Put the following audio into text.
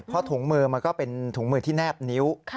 เพราะถุงมือมันก็เป็นถุงมือที่แนบนิ้ว